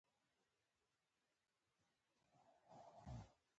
مرکب عبارت څو خیالونه لري.